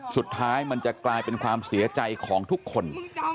สุดท้ายมันจะกลายเป็นความเสียใจของทุกคน